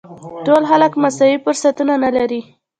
ټول خلک مساوي فرصتونه نه لري.